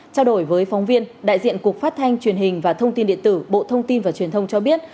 trao đổi với phóng viên đại diện cục phát thanh truyền hình và thông tin điện tử bộ thông tin và truyền thông cho biết